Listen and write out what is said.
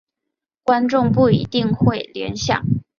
观众不一定会联想。